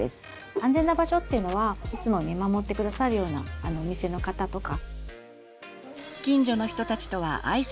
安全な場所っていうのはいつも見守って下さるようなお店の方とか。